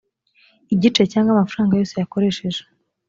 igice cyangwa amafaranga yose yakoresheje